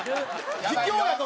卑怯やぞ！